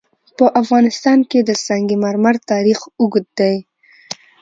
په افغانستان کې د سنگ مرمر تاریخ اوږد دی.